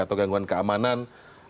atau gangguan keamanan